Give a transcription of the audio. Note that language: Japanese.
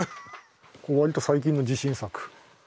割と最近の自信作。